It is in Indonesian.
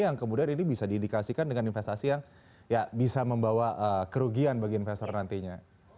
yang kemudian ini bisa diindikasikan dengan investasi yang bisa membawa kerugian bagi investor nantinya